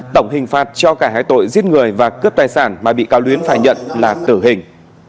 tổng hình phạt cho cả hai tội giết người và cướp tài sản mà bị cáo luyến phải nhận là tử hình